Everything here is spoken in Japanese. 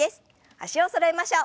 脚をそろえましょう。